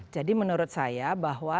jadi menurut saya bahwa